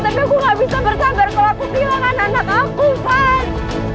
tapi aku nggak bisa bersabar kalau aku kehilangan anak aku van